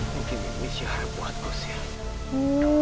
mimpi mimpi si harap buatku sir